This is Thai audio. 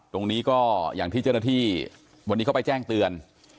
ตรงนี้ก็อย่างที่เจ้าหน้าที่วันนี้เขาไปแจ้งเตือน